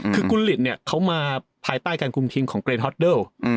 คือกุญฤทธ์เขามาภายใต้การคลุมทีมของเกรนท์ฮอสเตอร์